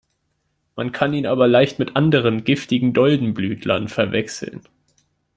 Man kann ihn aber leicht mit anderen, giftigen, Doldenblütlern verwechseln.